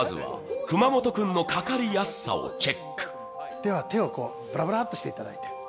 では手をこう、ブラブラッとしていただいて。